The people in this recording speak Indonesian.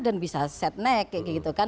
dan bisa setnek